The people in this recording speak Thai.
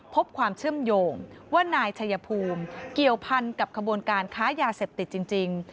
พบความเชื่อมโยงว่านายชัยภูมิเกี่ยวพันกับขบวนการค้ายาเสพติดจริง